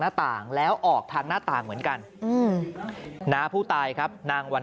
หน้าต่างแล้วออกทางหน้าต่างเหมือนกันน้าผู้ตายครับนางวัน